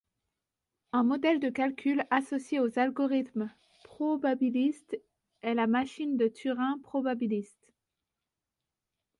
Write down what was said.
Un modèle de calcul associé aux algorithmes probabilistes est la machine de Turing probabiliste.